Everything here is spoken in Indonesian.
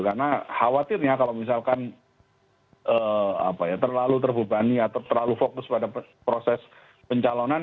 karena khawatirnya kalau misalkan terlalu terbebani atau terlalu fokus pada proses pencalonan